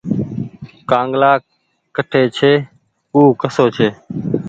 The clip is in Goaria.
ڪآنگلآ ڪٺي ڇي ۔او ڪسو ڇي۔